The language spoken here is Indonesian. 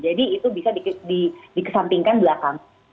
jadi itu bisa dikesampingkan belakang